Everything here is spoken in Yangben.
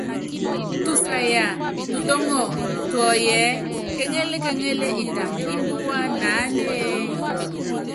Tusaya tutɔ́ŋɔ tuɔyɔ ɛ́ɛ: kéŋél kéŋél, itam ímbíwá naánéé?